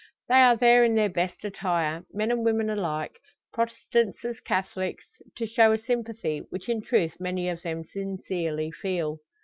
They are there in their best attire, men and women alike, Protestants as Catholics, to show a sympathy, which in truth many of them sincerely feel.